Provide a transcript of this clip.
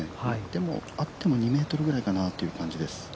でもあっても２メートルぐらいかなという感じです。